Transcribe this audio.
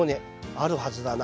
あるはずだな。